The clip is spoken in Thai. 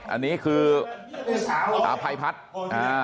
อันนี้คืออภัยพัทธ์